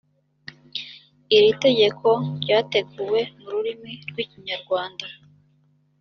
iri tegeko ryateguwe mu rurimi rw’ikinyarwanda